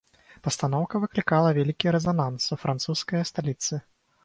Пастаноўка выклікала вялікі рэзананс у французскай сталіцы.